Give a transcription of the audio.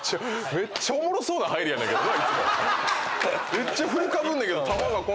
めっちゃおもろそうやねんけどな。